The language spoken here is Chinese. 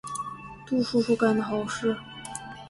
杜叔叔干的好事。